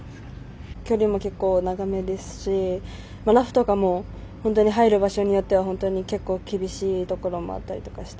距離も結構長めですしラフとかも本当に入る場所によっては結構厳しいところもあったりとかして。